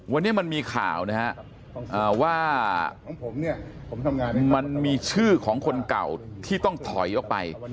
วันนี้มันมีข่าวนะฮะว่ามันมีชื่อของคนเก่าที่ต้องถอยออกไป